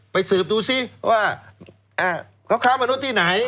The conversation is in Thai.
ไปสืบดูซิว่าเขาค้ามนุษย์ที่ไหน